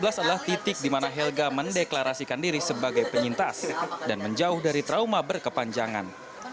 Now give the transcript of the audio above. tahun dua ribu sebelas adalah titik di mana helga mendeklarasikan diri sebagai penyintas dan menjauh dari trauma berkepanjangan